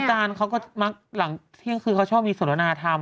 อาจารย์เขาก็มักหลังเที่ยงคือเขาชอบมีสนธรรม